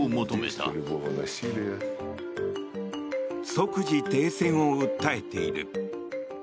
即時停戦を訴えている。